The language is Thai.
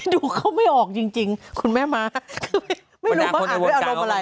ดูเขาไม่ออกจริงคุณแม่ม้าไม่รู้เขาอ่านด้วยอารมณ์อะไร